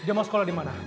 dia mau sekolah dimana